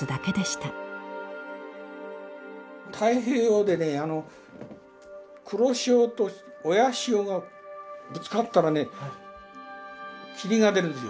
太平洋でね黒潮と親潮がぶつかったらね霧が出るんですよ。